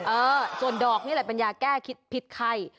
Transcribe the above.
เออส่วนดอกนี่แหละมันยาแก้ผิดไข่